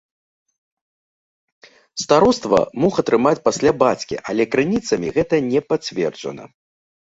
Староства мог атрымаць пасля бацькі, але крыніцамі гэта не пацверджана.